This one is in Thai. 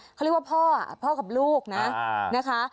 เขาเรียกว่าพ่อพ่อกับลูกนะนะคะ